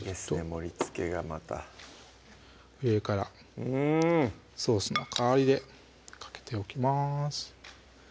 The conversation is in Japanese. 盛りつけがまた上からうんソースの代わりでかけておきます